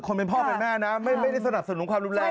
นี่น่ะเป็นปุ๊ยวิ่งออกมานะท้าวคู่เลย